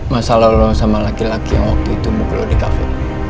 masalah lo sama laki laki yang waktu itu mungkul lo di cafe